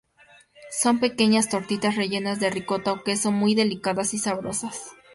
Son pequeñas tortitas rellenas de ricota o queso, muy delicadas y sabrosas.